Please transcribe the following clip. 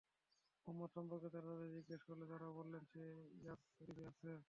মুহাম্মদ সম্পর্কে তারা তাদের জিজ্ঞেস করলে তারা বলল, সে ইয়াসরিবে আছে।